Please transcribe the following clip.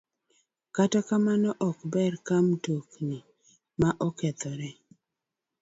Kata kamano ok ber ka mtokni ma okethore